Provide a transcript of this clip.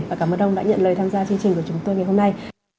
và cảm ơn ông đã nhận lời tham gia chương trình của chúng tôi ngày hôm nay